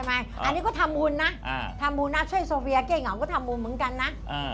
อันนี้ก็ทะมูลนะทะมูลนะช่วยโซเฟียเก่งก็ทะมูลเหมือนกันน่ะ